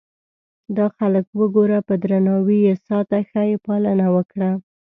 دا خلک وګوره په درناوي یې ساته ښه یې پالنه وکړه.